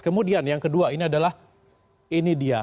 kemudian yang kedua ini adalah ini dia